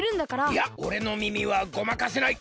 いやおれのみみはごまかせない！